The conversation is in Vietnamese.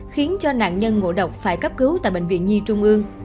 khiến cho nạn nhân ngộ độc phải cấp cứu tại bệnh viện nhi trung ương